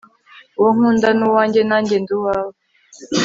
uwo nkunda ni uwanjye, nanjye ndi uwe